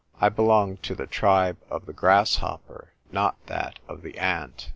I belong to the tribe of the grass hopper, not that of the ant.